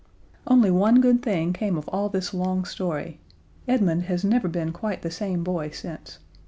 Only one good thing came of all this long story. Edmund has never been quite the same boy since.